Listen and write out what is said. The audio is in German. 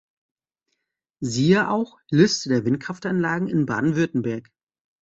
Siehe auch: Liste der Windkraftanlagen in Baden-Württemberg.